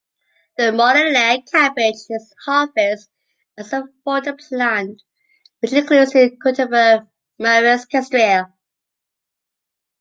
The moëllier cabbage is harvest as a fodder plant, which includes the cultivar Maris-Kestrel.